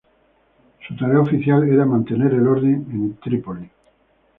Su tarea oficial era para mantener el orden en Trípoli.